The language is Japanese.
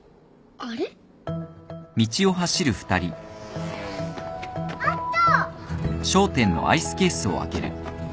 あれ？あった。